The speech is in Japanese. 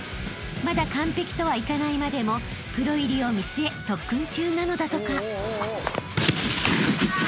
［まだ完璧とはいかないまでもプロ入りを見据え特訓中なのだとか］